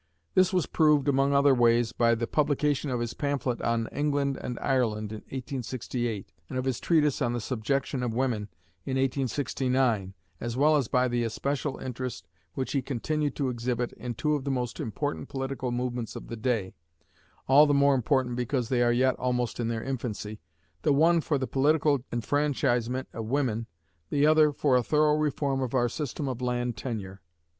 This was proved, among other ways, by the publication of his pamphlet on "England and Ireland" in 1868, and of his treatise "On the Subjection of Women" in 1869, as well as by the especial interest which he continued to exhibit in two of the most important political movements of the day, all the more important because they are yet almost in their infancy, the one for the political enfranchisement of women, the other for a thorough reform of our system of land tenure.